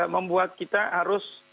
membuat kita harus